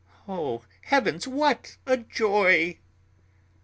Oh, Heavens, what a joy!"